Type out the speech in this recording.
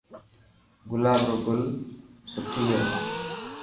گلاب روگل سني هي.